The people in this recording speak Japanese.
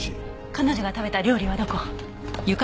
彼女が食べた料理はどこ？